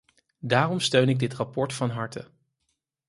Daarom steun ik dit rapport van harte.